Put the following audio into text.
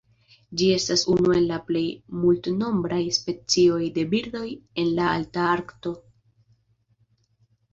Ĝi estas unu el la plej multnombraj specioj de birdoj en la Alta Arkto.